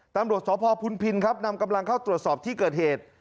ตำรวจสพพุนพินครับนำกำลังเข้าตรวจสอบที่เกิดเหตุ